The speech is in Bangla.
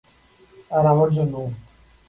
আর আমার জন্যও।